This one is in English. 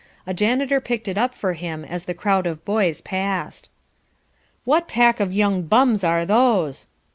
A janitor picked it up for him as the crowd of boys passed. "What pack of young bums are those?"